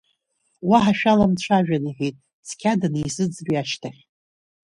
Уаҳа шәаламцәажәан, — иҳәеит цқьа данизыӡырҩ ашьҭахь.